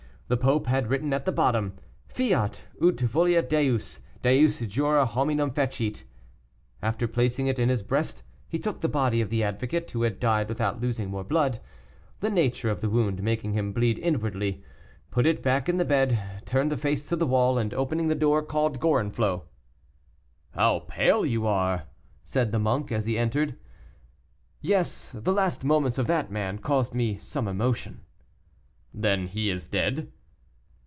The Pope had written at the bottom, "Fiat ut voluit Deus; Deus jura hominum fecit." After placing it in his breast, he took the body of the advocate, who had died without losing more blood, the nature of the wound making him bleed inwardly, put it back in the bed, turned the face to the wall, and, opening the door, called Gorenflot. "How pale you are!" said the monk, as he entered. "Yes, the last moments of that man caused me some emotion." "Then he is dead?"